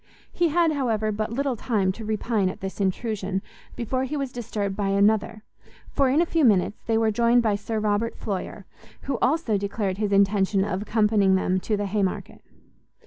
He had, however, but little time to repine at this intrusion, before he was disturbed by another, for, in a few minutes, they were joined by Sir Robert Floyer, who also declared his intention of accompanying them to the Haymarket.